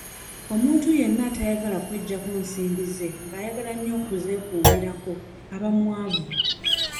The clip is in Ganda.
Omuntu yenna atayagala kweggyako nsimbi ze nga ayagala nnyo okuzeekuumirako aba mwavu.